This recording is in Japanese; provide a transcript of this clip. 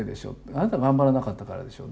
あなた頑張らなかったからでしょう。